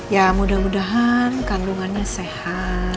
ya mudah mudahan kandungannya sehat